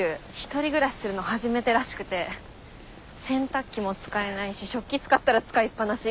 １人暮らしするの初めてらしくて。洗濯機も使えないし食器使ったら使いっぱなし。